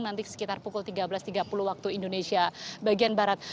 nanti sekitar pukul tiga belas tiga puluh waktu indonesia bagian barat